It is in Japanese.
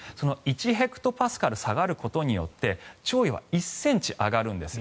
１ヘクトパスカル下がることによって潮位は１ｃｍ上がるんです。